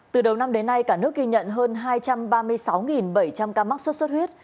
từ đầu năm đến nay cả nước ghi nhận hơn hai trăm ba mươi sáu bảy trăm linh ca mắc sốt xuất huyết